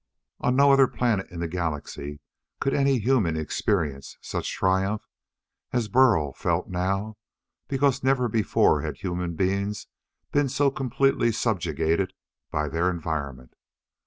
On no other planet in the Galaxy could any human experience such triumph as Burl felt now because never before had human beings been so completely subjugated by their environment.